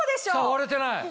割れてない。